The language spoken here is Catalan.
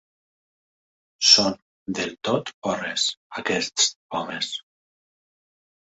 Són del tot o res, aquests homes.